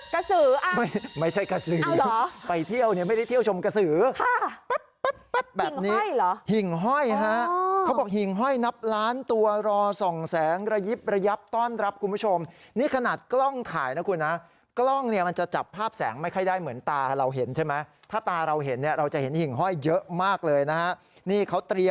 กระสืออ่ะไม่ใช่กระสือไปเที่ยวเนี่ยไม่ได้เที่ยวชมกระสือแป๊บแบบนี้หิ่งห้อยฮะเขาบอกหิ่งห้อยนับล้านตัวรอส่องแสงระยิบระยับต้อนรับคุณผู้ชมนี่ขนาดกล้องถ่ายนะคุณนะกล้องเนี่ยมันจะจับภาพแสงไม่ค่อยได้เหมือนตาเราเห็นใช่ไหมถ้าตาเราเห็นเนี่ยเราจะเห็นหิ่งห้อยเยอะมากเลยนะฮะนี่เขาเตรียม